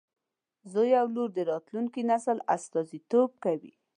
زوی او لور د راتلونکي نسل استازیتوب کوي.